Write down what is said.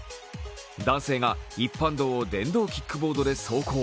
男性が一般道を電動キックボードで走行。